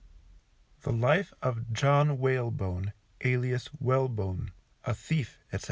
The Life of JOHN WHALEBONE, alias WELBONE, a Thief, etc.